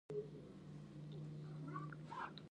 دوستانه سلوک ښکاره شو.